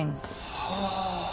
はあ。